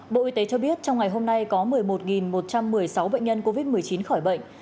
bộ y tế cho biết trong ngày hôm nay có một mươi một một trăm một mươi sáu bệnh nhân covid một mươi chín khỏi bệnh